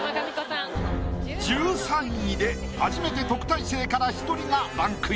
１３位で初めて特待生から１人がランクイン。